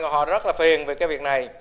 họ rất là phiền về cái việc này